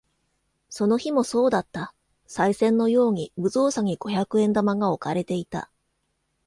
その日もそうだった。賽銭のように無造作に五百円玉が置かれていた。